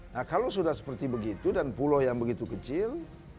nah kalau sudah seperti begitu dan pulau yang begitu kecil